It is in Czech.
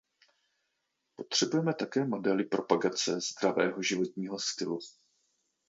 Potřebujme také modely propagace zdravého životního stylu.